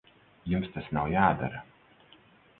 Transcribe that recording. Jums tas nav jādara.